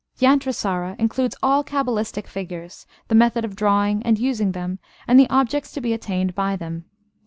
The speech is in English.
Yantrasara includes all cabalistic figures, the method of drawing and using them, and the objects to be attained by them.